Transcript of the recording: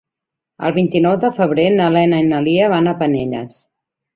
El vint-i-nou de febrer na Lena i na Lia van a Penelles.